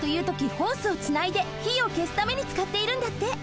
ホースをつないでひをけすためにつかっているんだって。